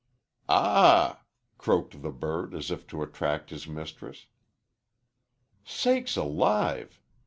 "Ah h h!" croaked the bird, as if to attract his mistress. "Sakes alive!"